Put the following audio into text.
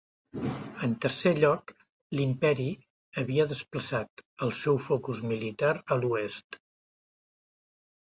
En tercer lloc, l'imperi havia desplaçat el seu focus militar a l'oest.